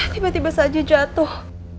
tiba tiba saja jatuh